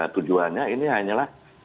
tujuannya ini hanyalah